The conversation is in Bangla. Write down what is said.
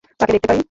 তাকে দেখতে পারি?